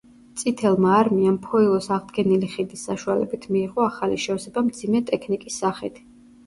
წითელმა არმიამ ფოილოს აღდგენილი ხიდის საშუალებით მიიღო ახალი შევსება მძიმე ტექნიკის სახით.